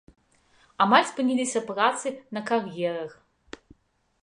Амаль спыніліся працы на кар'ерах.